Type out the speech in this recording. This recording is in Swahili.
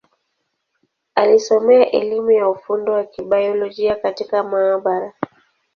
Alisomea elimu ya ufundi wa Kibiolojia katika maabara.